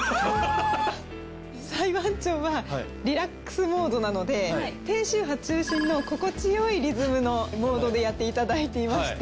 裁判長はリラックスモードなので低周波中心の心地よいリズムのモードでやっていただいていまして。